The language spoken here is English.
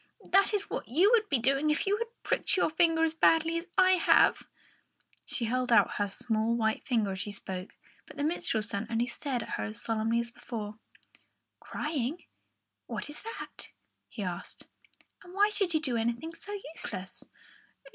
That is what you would be doing if you had pricked your finger as badly as I have." She held out her small white finger as she spoke, but the minstrel's son only stared at her as solemnly as before. "Crying? What is that?" he asked. "And why should you do anything so useless?